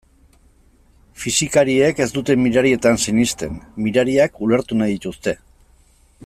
Fisikariek ez dute mirarietan sinesten, mirariak ulertu nahi dituzte.